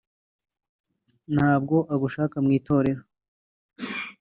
ntabwo agushaka mu itorero